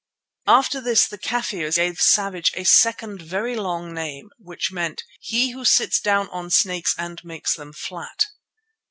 After this the Kafirs gave Savage a second very long name which meant "He who sits down on snakes and makes them flat."